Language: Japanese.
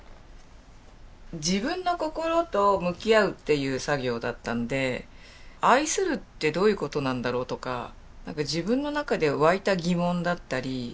自分の心と向き合うっていう作業だったんで愛するってどういうことなんだろう？とか自分の中で湧いた疑問だったり。